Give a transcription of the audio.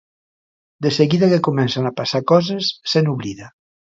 De seguida que comencen a passar coses se n'oblida.